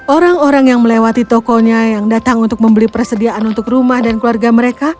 orang orang yang melewati tokonya yang datang untuk membeli persediaan untuk rumah dan keluarga mereka